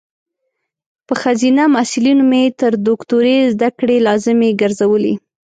په خځینه محصلینو مې تر دوکتوری ذدکړي لازمي ګرزولي